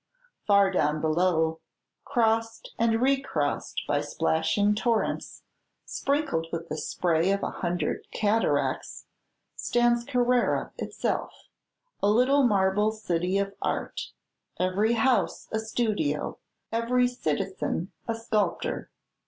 Far down below, crossed and recrossed by splashing torrents, sprinkled with the spray of a hundred cataracts, stands Carrara itself, a little marble city of art, every house a studio, every citizen a sculptor.